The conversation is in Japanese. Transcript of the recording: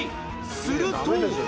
すると。